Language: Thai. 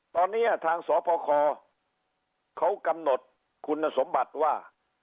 ตอนนี้ทางสพคเขากำหนดคุณสมบัติว่า